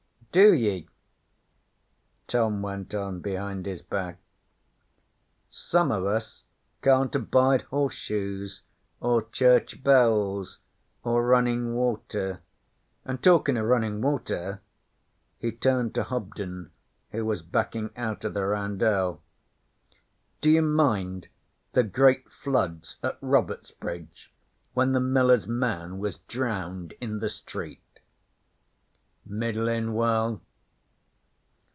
'Do ye?' Tom went on behind his back. 'Some of us can't abide Horseshoes, or Church Bells, or Running Water; an', talkin' o' runnin' water' he turned to Hobden, who was backing out of the roundel 'd'you mind the great floods at Robertsbridge, when the miller's man was drowned in the street?' 'Middlin' well.'